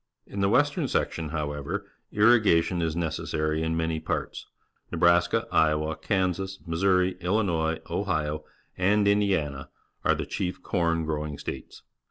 In the western section, however, irrigation is necessary in many parts. Nebraska, Iowa, Kansas, Mis souri, Illinois, Ohio, and Indiana are the chief corn growing states.